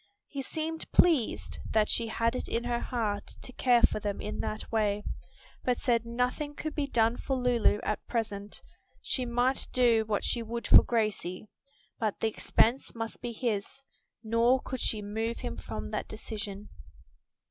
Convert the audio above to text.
He seemed pleased that she had it in her heart to care for them in that way, but said nothing could be done for Lulu at present, she might do what she would for Gracie, but the expense must be his; nor could she move him from that decision.